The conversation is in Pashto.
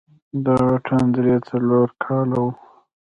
دا واټن درې تر څلور کاله و.